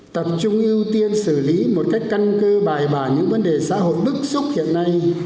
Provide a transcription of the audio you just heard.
tập trung ưu tiên xử lý một cách căn cơ bài bản những vấn đề xã hội bức xúc hiện nay